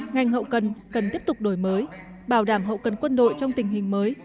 ngành hậu cần cần tiếp tục đổi mới bảo đảm hậu cần quân đội trong tình hình mới